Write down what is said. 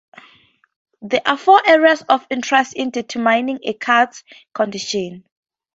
There are four areas of interest in determining a cards condition.